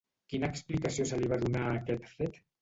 Quina explicació se li va donar a aquest fet?